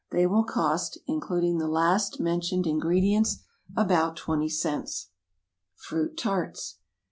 They will cost, including the last mentioned ingredients, about twenty cents. =Fruit Tarts.